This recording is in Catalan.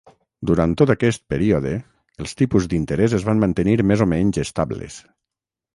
Durant tot aquest període, els tipus d'interès es van mantenir més o menys estables.